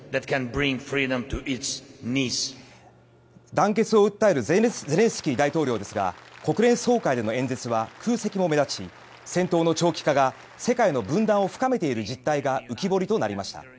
団結を訴えるゼレンスキー大統領ですが国連総会での演説は空席も目立ち戦闘の長期化が世界の分断を深めている実態が浮き彫りとなりました。